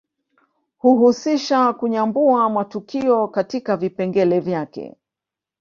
Huhusisha kunyambua matukio katika vipengele vyake